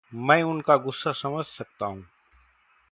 मैं उनका गुस्सा समझ सकता हूँ।